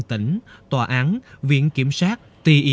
thằng kia nói